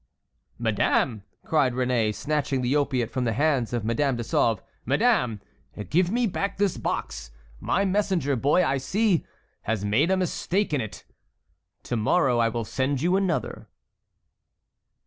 "Madame," cried Réné, snatching the opiate from the hands of Madame de Sauve, "madame, give me back this box; my messenger boy, I see, has made a mistake in it. To morrow I will send you another."